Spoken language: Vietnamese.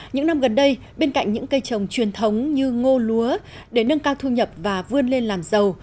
những năm gần đây bên cạnh những cây trồng truyền thống như ngô lúa để nâng cao thu nhập và vươn lên làm giàu